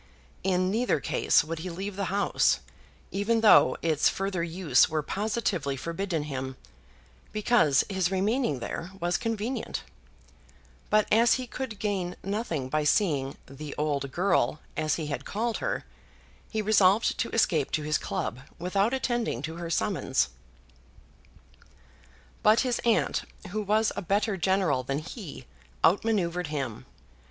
In neither case would he leave the house, even though its further use were positively forbidden him, because his remaining there was convenient; but as he could gain nothing by seeing "the old girl," as he had called her, he resolved to escape to his club without attending to her summons. But his aunt, who was a better general than he, out manoeuvred him.